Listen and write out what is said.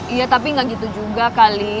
iya tapi nggak gitu juga kali